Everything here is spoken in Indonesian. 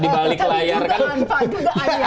tapi itu tidak pantas